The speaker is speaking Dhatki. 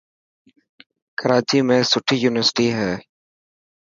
ڪراچي ۾ سٺي يونيورسٽي هي.